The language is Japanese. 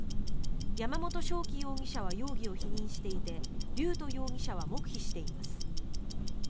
山本翔輝容疑者は容疑を否認していて龍斗容疑者は黙秘しています。